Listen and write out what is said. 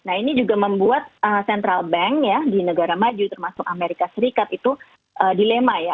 nah ini juga membuat central bank ya di negara maju termasuk amerika serikat itu dilema ya